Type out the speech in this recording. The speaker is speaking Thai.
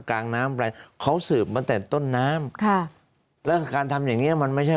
กลางน้ำปลายเขาสืบมาแต่ต้นน้ำค่ะแล้วการทำอย่างเงี้ย